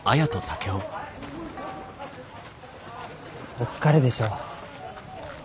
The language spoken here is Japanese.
お疲れでしょう？